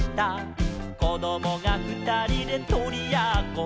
「こどもがふたりでとりやっこ」